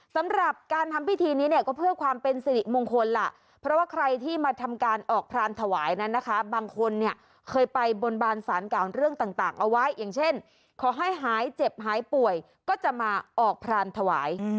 สำหรับการทำพิธีนี้เนี่ยก็เพื่อความเป็นสิริมงคลล่ะเพราะว่าใครที่มาทำการออกพรานถวายนั้นนะคะบางคนเนี่ยเคยไปบนบานสารเก่าเรื่องต่างเอาไว้อย่างเช่นขอให้หายเจ็บหายป่วยก็จะมาออกพรานถวาย